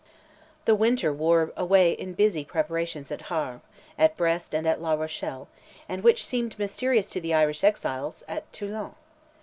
The winter wore away in busy preparations at Havre, at Brest, and at La Rochelle,—and, which seemed mysterious to the Irish exiles—at Toulon.